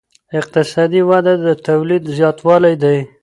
اقتصادي وده د تولید زیاتوالی دی.